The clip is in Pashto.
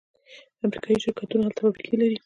امریکایی شرکتونه هلته فابریکې لري.